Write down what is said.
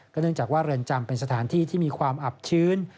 เนื่องจากว่าเรือนจำเป็นสถานที่ที่มีความอับชื้น